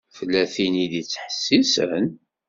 Tella tin i d-ittḥessisen.